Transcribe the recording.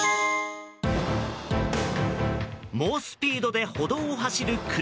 猛スピードで歩道を走る車。